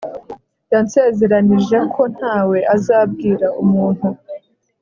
yansezeranije ko ntawe azabwira umuntu